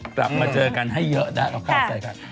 กลับมาเจอกันให้เยอะได้นะข่าวใส่ใคร